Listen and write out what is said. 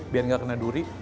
biar nggak kena duri